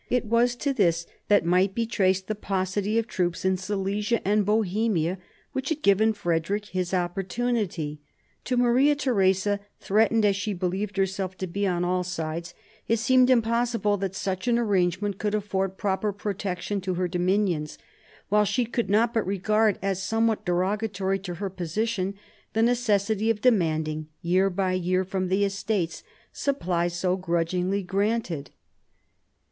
It was to this that might be traced the paucity of troops in Silesia and Bohemia which had given Frederick his opportunity. To Maria Theresa, threatened, as she believed herself to be, on all sides, it seemed impossible that such an arrangement could afford proper protection to her dominions; while she could not but regard as some what derogatory to her position the necessity of de manding year by year from the Estates supplies so grudgingly granted.